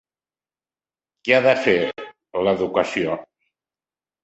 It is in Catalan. Què ha de fer l'educació?